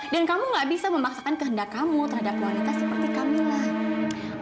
dan kamu gak bisa memaksakan kehendak kamu terhadap wanita seperti kamilah